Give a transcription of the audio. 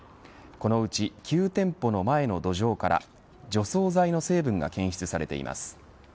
このうち、９店舗の前の土壌から除草剤の成分が検出されています。